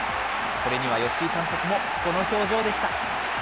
これには吉井監督もこの表情でした。